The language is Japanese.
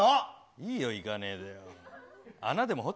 いいよ、行かねえで。